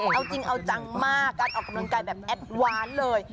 เอาจริงเอาจังมากการออกกำลังกายแบบแอดวานเลย